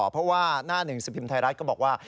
เพราะว่าหน้าหนึ่งสิบพิมพ์ไทยรัฐก็บอกว่า